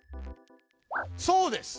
そうです。